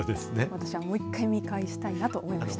私はもう一回見返したいなと思いました。